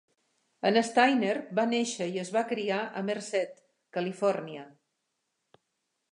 En Stayner va nàixer i es va criar a Merced, California.